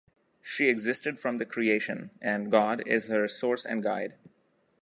She existed from the Creation, and God is her source and guide.